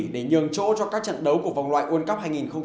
để nhường chỗ cho các trận đấu của vòng loại world cup hai nghìn một mươi tám